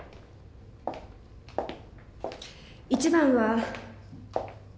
一番は。